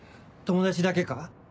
友達だけか？